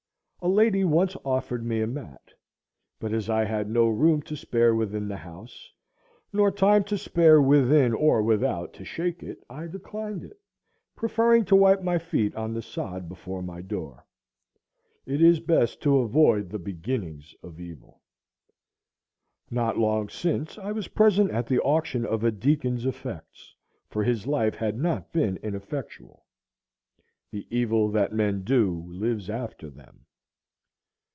A lady once offered me a mat, but as I had no room to spare within the house, nor time to spare within or without to shake it, I declined it, preferring to wipe my feet on the sod before my door. It is best to avoid the beginnings of evil. Not long since I was present at the auction of a deacon's effects, for his life had not been ineffectual:— "The evil that men do lives after them."